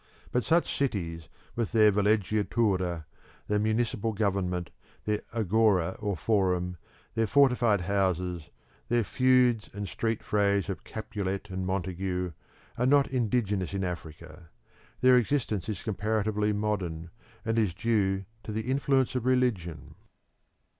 But such cities, with their villeggiatura, their municipal government, their agora or forum, their fortified houses, their feuds and street frays of Capulet and Montague, are not indigenous in Africa; their existence is comparatively modern and is due to the influence of religion.